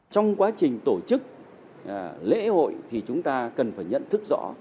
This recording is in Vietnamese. trong quá trình tổ chức lễ hội thì chúng ta cần phải nhận thức rõ